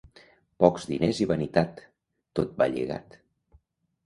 Pocs diners i vanitat, tot va lligat.